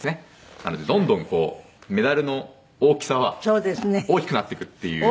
なのでどんどんメダルの大きさは大きくなっていくっていう。